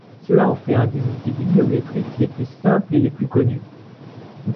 Cela en fait un des outils bibliométriques les plus simples et les plus connus.